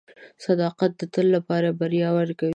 • صداقت د تل لپاره بریا ورکوي.